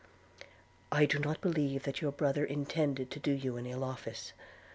'I do not believe that your brother intended to do you an ill office.